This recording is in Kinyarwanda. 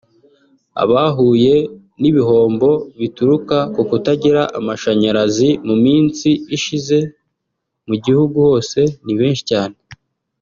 Abahuye n’ibihombo bituruka ku kutagira amashanyarazi mu minsi ishize mu gihugu hose ni benshi cyane